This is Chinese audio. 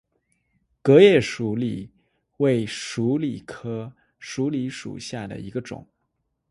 革叶鼠李为鼠李科鼠李属下的一个种。